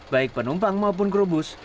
baik penumpang maupun krobus